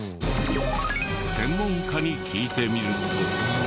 専門家に聞いてみると。